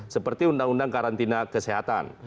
seperti undang undang karantina kesehatan